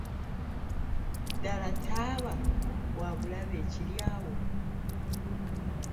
Ddaala ttaaba wabulabe ekiri awo?